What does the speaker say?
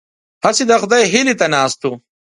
هسې د خدای هیلې ته ناست وو.